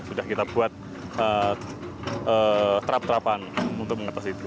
sudah kita buat trap trapan untuk mengatasi itu